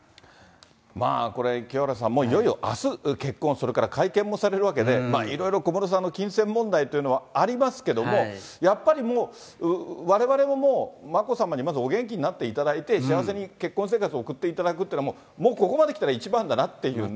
これ、清原さん、いよいよあす、結婚、それから会見もされるわけで、いろいろ小室さんの金銭問題というのはありますけども、やっぱりもう、われわれももう眞子さまにまずお元気になっていただいて、幸せに結婚生活を送っていただくというのは、もうここまできたら一番だなっていうね。